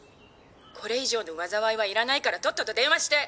これ以上の災いはいらないからとっとと電話して！